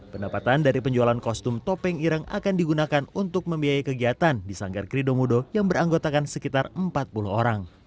pendapatan dari penjualan kostum topeng irang akan digunakan untuk membiayai kegiatan di sanggar kridomudo yang beranggotakan sekitar empat puluh orang